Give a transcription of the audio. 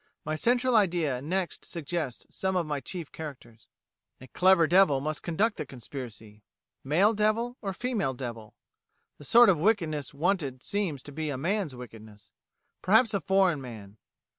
My central idea next suggests some of my chief characters. "A clever devil must conduct the conspiracy. Male devil or female devil? The sort of wickedness wanted seems to be a man's wickedness. Perhaps a foreign man.